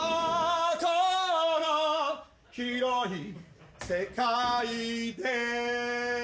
「この広い世界で」